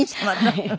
はい。